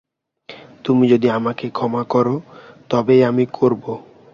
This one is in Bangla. তুমি যদি আমাকে ক্ষমা করো, তবেই আমি করব।